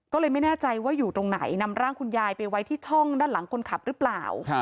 ก็เลยไม่แน่ใจว่าอยู่ตรงไหนนำร่างคุณยายไปไว้ที่ช่องด้านหลังคนขับหรือเปล่า